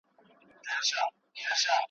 پخپله یې وژلی په تیاره لار کي مشل دی ,